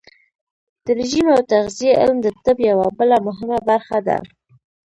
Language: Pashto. د رژیم او تغذیې علم د طب یوه بله مهمه برخه ده.